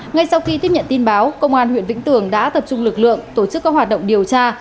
ngay sau khi tiếp nhận tin báo công an huyện vĩnh tường đã tập trung lực lượng tổ chức các hoạt động điều tra